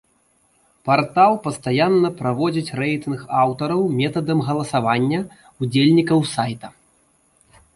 Партал пастаянна праводзіць рэйтынг аўтараў метадам галасавання ўдзельнікаў сайта.